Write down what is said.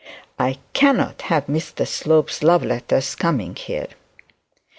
I cannot have Mr Slope's love letters coming here.